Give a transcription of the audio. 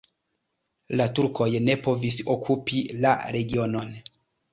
La turkoj ne povis okupi la regionon.